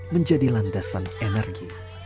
menjadi landasan energi